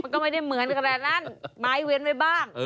มันก็ไม่ได้เหมือนกันนะไม้เว้นไว้บ้าง